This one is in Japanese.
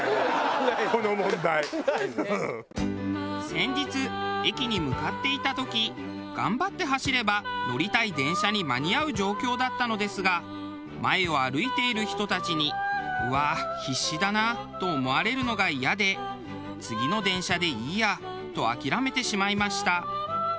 先日駅に向かっていた時頑張って走れば乗りたい電車に間に合う状況だったのですが前を歩いている人たちに「うわあ必死だな」と思われるのがイヤで「次の電車でいいや」と諦めてしまいました。